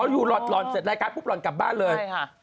อยู่หล่อนเสร็จรายการปุ๊บหล่อนกลับบ้านเลย